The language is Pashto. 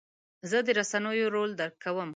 زه د رسنیو رول درک کوم.